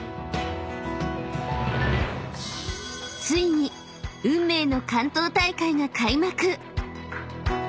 ［ついに運命の関東大会が開幕！］